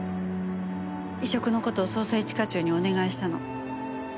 移植の事を捜査一課長にお願いしたの。